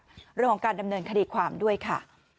เรื่องของการดำเนินคดีความด้วยค่ะ